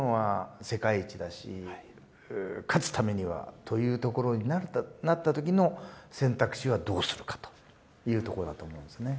勝つためにはというところになった時の選択肢はどうするかというとこだと思うんですね。